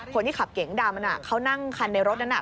คนที่ขับเก๋งดำเขานั่งคันในรถนั้น